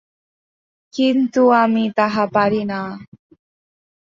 কিন্তু আমি তাহা পারি না।